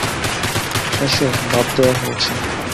S, ভাত দেওয়া হয়েছে।